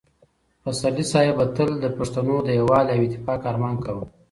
پسرلي صاحب به تل د پښتنو د یووالي او اتفاق ارمان کاوه.